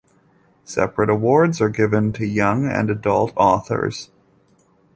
Separate awards are given to young and adult authors.